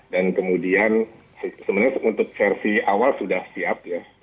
dan kemudian sebenarnya untuk versi awal sudah siap ya